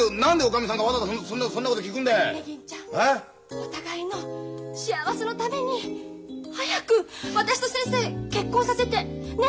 お互いの幸せのために早く私と先生結婚させて。ね！